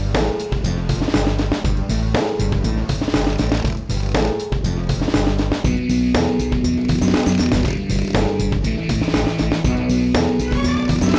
susah banget buat gua